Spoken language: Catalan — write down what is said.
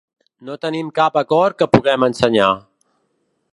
No tenim cap acord que puguem ensenyar.